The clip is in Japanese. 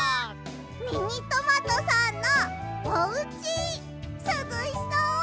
ミニトマトさんのおうちすずしそう！